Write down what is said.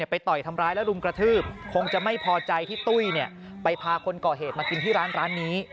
ไปต่อยทำร้ายแล้วรุมกระทืบคงจะไม่พอใจที่ตุ้ยไปพาคนก่อเหตุมากินที่ร้านนี้